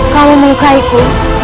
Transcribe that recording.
kalau menyukai ku